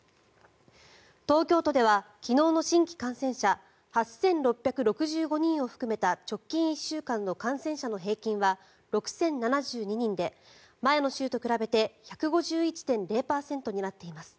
東京都では、昨日の新規感染者８６６５人を含めた直近１週間の感染者の平均は６０７２人で前の週と比べて１５１．０％になっています。